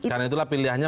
karena itulah pilihannya